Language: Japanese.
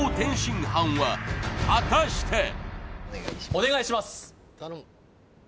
お願いします